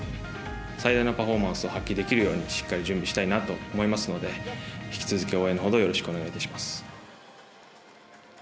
最大のパフォーマンスを発揮できるようにしっかり準備したいなと思いますので引き続き応援のほどよろしくお願いします。